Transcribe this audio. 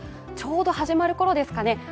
ちょうど始まるころですかね